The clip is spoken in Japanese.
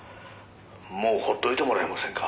「もう放っといてもらえませんか」